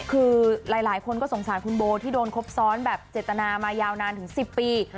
คือหลายคนก็สงสารคุณโบที่โดนครบซ้อนแบบเจตนามายาวนานถึง๑๐ปี